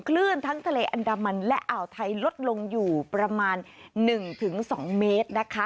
คลื่นทั้งทะเลอันดามันและอ่าวไทยลดลงอยู่ประมาณ๑๒เมตรนะคะ